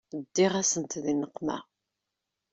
Ddiɣ-asent di nneqma.